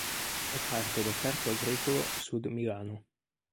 È parte del Parco Agricolo Sud Milano.